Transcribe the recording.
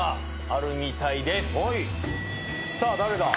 さあ誰だ？